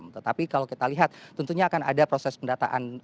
tetapi kalau kita lihat tentunya akan ada proses pendataan